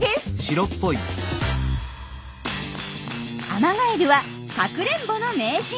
アマガエルはかくれんぼの名人。